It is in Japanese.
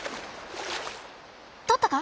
とったか？